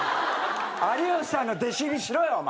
有吉さんの弟子入りしろよお前！